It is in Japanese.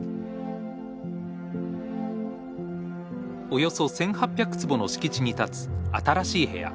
およそ１，８００坪の敷地に立つ新しい部屋。